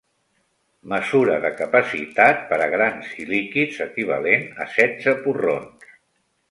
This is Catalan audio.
Mesura de capacitat per a grans i líquids, equivalent a setze porrons.